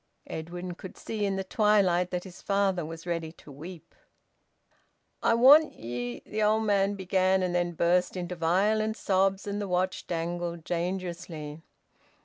Edwin could see in the twilight that his father was ready to weep. "I want ye " the old man began, and then burst into violent sobs; and the watch dangled dangerously.